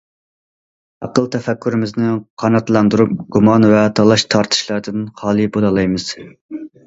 ئەقىل تەپەككۇرىمىزنى قاناتلاندۇرۇپ، گۇمان ۋە تالاش- تارتىشلاردىن خالىي بولالايمىز.